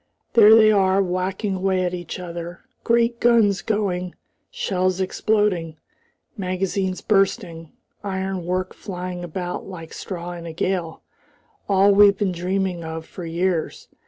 There they are whacking away at each other, great guns going, shells exploding, magazines bursting, ironwork flying about like straw in a gale, all we've been dreaming of for years!